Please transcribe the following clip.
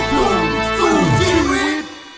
โปรดติดตามตอนต่อไป